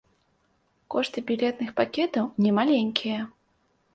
Кошты білетных пакетаў немаленькія.